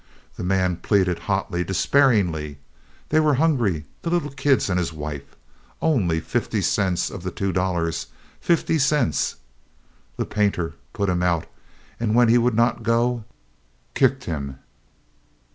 The man pleaded hotly, despairingly. They were hungry, the little kids and his wife. Only fifty cents of the two dollars fifty cents! The painter put him out, and when he would not go, kicked him.